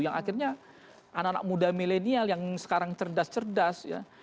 yang akhirnya anak anak muda milenial yang sekarang cerdas cerdas ya